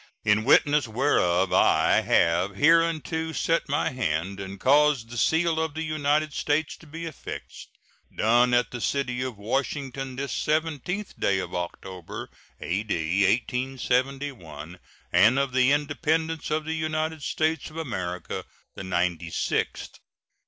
In witness whereof I have hereunto set my hand and caused the seal of the United States to be affixed. Done at the city of Washington, this 17th day of October, A.D. 1871, and of the Independence of the United States of America the ninety sixth.